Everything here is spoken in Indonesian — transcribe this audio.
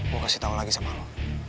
gua kasih tau lagi sama lo